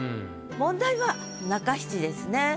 問題は中七ですね。